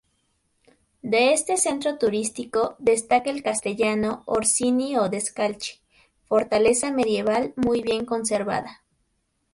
De este centro turístico destaca el Castello Orsini-Odescalchi, fortaleza medieval, muy bien conservada.